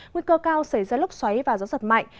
nguy cơ cao xảy ra lốc xoáy và gió giật mạnh